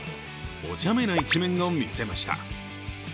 おちゃめな一面を見せました。